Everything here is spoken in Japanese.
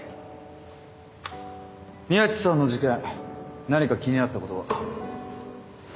宮地さんの事件何か気になったことは？